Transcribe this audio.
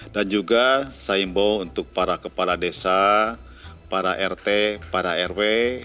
juga saya imbau untuk para kepala desa para rt para rw